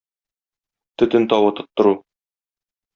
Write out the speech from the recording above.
Төтен тавы тоттыру.